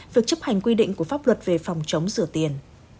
việc chấp hành quy định của pháp luật về phòng chống rửa tiền